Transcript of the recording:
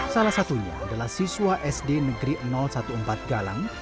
salah satunya adalah siswa sd negeri empat belas galang